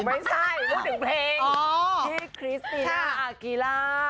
ไม่ใช่พูดถึงเพลงที่คริสติน่าอากีล่า